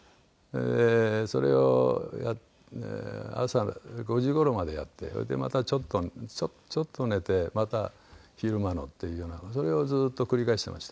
それを朝５時頃までやってそれでまたちょっと寝てまた昼間のっていうようなそれをずっと繰り返してました。